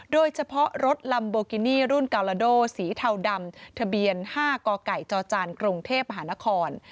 โดยเฉพาะรถลัมโบกินี่รุ่นกาลาโดสีเทาดำทะเบียน๕กไก่จจกรุงเทพฯหานคร